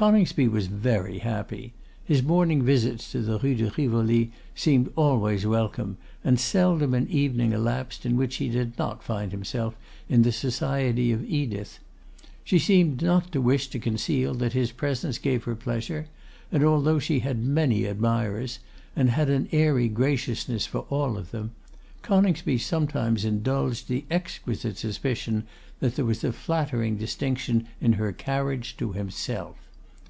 Coningsby was very happy. His morning visits to the Rue de Rivoli seemed always welcome, and seldom an evening elapsed in which he did not find himself in the society of Edith. She seemed not to wish to conceal that his presence gave her pleasure, and though she had many admirers, and had an airy graciousness for all of them, Coningsby sometimes indulged the exquisite suspicion that there was a flattering distinction in her carriage to himself.